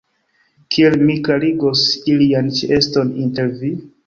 Kiel mi klarigos ilian ĉeeston inter vi?